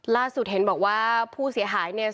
เห็นบอกว่าผู้เสียหายเนี่ย